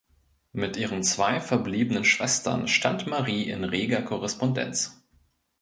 Mit ihren zwei verbliebenen Schwestern stand Marie in reger Korrespondenz.